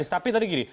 tapi tadi gini